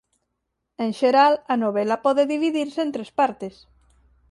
En xeral a novela pode dividirse en tres partes.